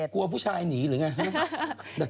ได้จ๋าฟื้นกราบ